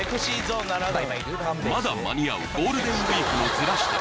まだ間に合うゴールデンウイークのズラし旅